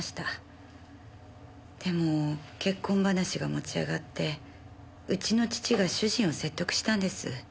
でも結婚話が持ち上がってうちの父が主人を説得したんです。